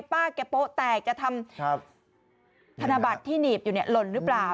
ป้าแกโป๊ะแตกแกทำธนบัตรที่หนีบอยู่เนี่ยหล่นหรือเปล่า